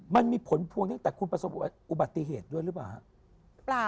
มันมีผลพวงตั้งแต่คุณประสบอุบัติเหตุด้วยหรือเปล่าครับ